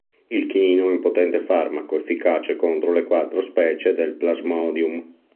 Il chinino è un potente farmaco efficace contro le quattro specie del plasmodium.